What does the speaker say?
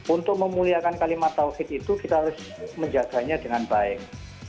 untuk memuliakan kalimat tawhid itu kita harus menjaganya dengan baik